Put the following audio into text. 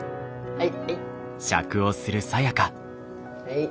はい。